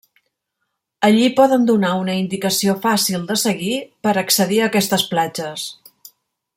Allí poden donar una indicació fàcil de seguir per accedir a aquestes platges.